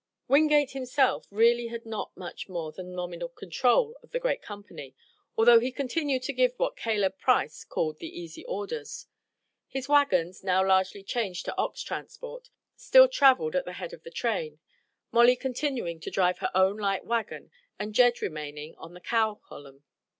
Wingate himself really had not much more than nominal control of the general company, although he continued to give what Caleb Price called the easy orders. His wagons, now largely changed to ox transport, still traveled at the head of the train, Molly continuing to drive her own light wagon and Jed remaining on the cow column.